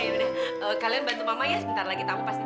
ya udah ya udah kalian bantu mama ya sebentar lagi tau pasti